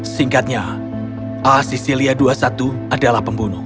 singkatnya a c c l i a dua puluh satu adalah pembunuh